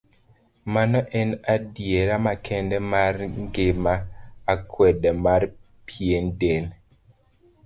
Mano en adiera makende mar ng'ima, akwede mar pien del.